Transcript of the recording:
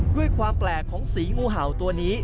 ด้วยความแปลกของสีงูเห่าตัวนี้